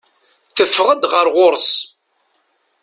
Teffeɣ-d ɣer ɣur-s.